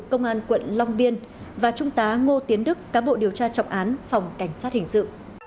công an quận long biên và trung tá ngô tiến đức cám bộ điều tra trọng án phòng cảnh sát hình sự